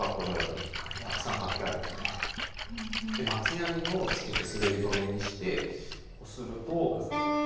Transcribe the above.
実は松ヤニをつけて滑り止めにしてこすると。